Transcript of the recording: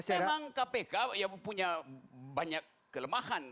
memang kpk ya punya banyak kelemahan